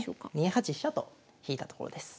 ２八飛車と引いたところです。